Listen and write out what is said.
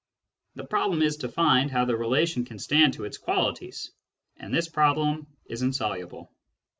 The problem is to find how the relation can stand to its qualities, and this problem is insoluble."